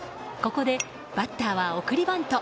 ここでバッターは送りバント。